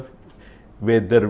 apakah kita harus